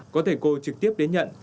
có thầy cô trực tiếp đến nhận